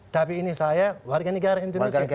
tapi ini saya warga negara indonesia